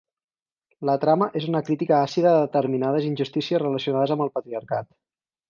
La trama és una crítica àcida de determinades injustícies relacionades amb el patriarcat.